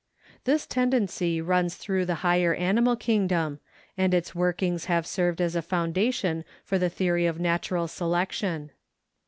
This tendency runs through the higher animal kingdom, and its workings have served as a foundation for the theory of natural selection.